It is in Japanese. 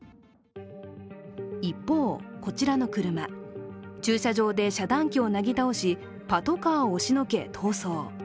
一方、こちらの車、駐車場で遮断機をなぎ倒しパトカーを押しのけ逃走。